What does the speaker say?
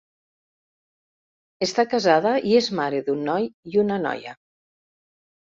Està casada i és mare d'un noi i una noia.